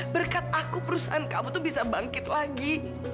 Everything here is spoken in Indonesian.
berkat aku perusahaan kamu tuh bisa bangkit lagi